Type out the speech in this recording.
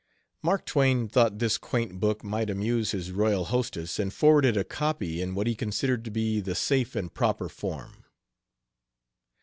Mark Twain thought this quaint book might amuse his royal hostess, and forwarded a copy in what he considered to be the safe and proper form.